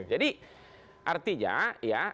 jadi artinya ya